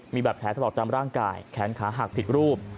มีแบบแผลถลอกตามร่างกายแขนขาหักผิดรูป